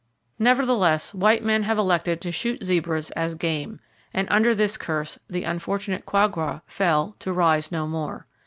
Nevertheless, white men have elected to shoot zebras as game; and under this curse the unfortunate quagga fell to rise no more.